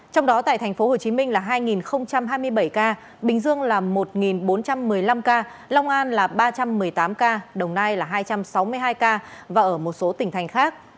trong đó tại tp hcm là hai hai mươi bảy ca bình dương là một bốn trăm một mươi năm ca long an là ba trăm một mươi tám ca đồng nai là hai trăm sáu mươi hai ca và ở một số tỉnh thành khác